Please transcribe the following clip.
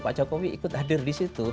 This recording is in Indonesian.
pak jokowi ikut hadir disitu